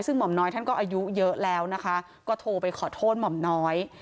ซึ่งห่อมน้อยท่านก็อายุเยอะแล้วนะคะก็โทรไปขอโทษหม่อมน้อย